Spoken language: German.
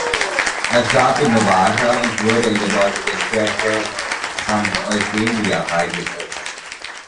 Er starb in Novara und wurde in der dortigen Kirche Sant’Eufemia beigesetzt.